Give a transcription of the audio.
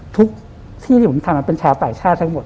ทุกที่ที่ผมทำเป็นชาวต่างชาติทั้งหมด